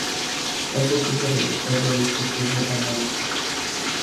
Es posible realizar varios tipos de análisis.